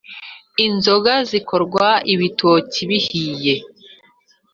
inzoga zikorwa ibitoki bihiye